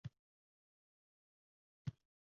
menga O'zbekistondagi mashhurlarni ko'rsat